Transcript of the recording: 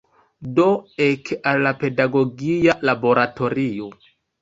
Do ek al la pedagogia laboratorio.